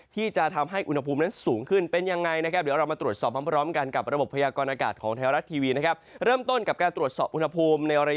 ที่จะทำให้อุณหภูมิ